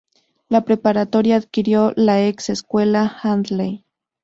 La preparatoria adquirió la ex-Escuela Handley.